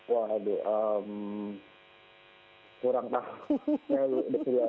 waduh kurang tahu